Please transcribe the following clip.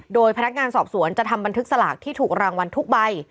โดยพนักงานสอบสวนจะทำบันทึกสลากที่ถูกรางวัลทุกใบ